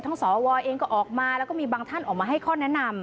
สวเองก็ออกมาแล้วก็มีบางท่านออกมาให้ข้อแนะนำ